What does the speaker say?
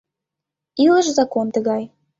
Илыш закон тыгай.